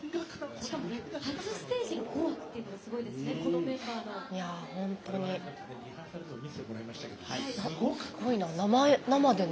しかも初ステージが「紅白」というのがすごいですね。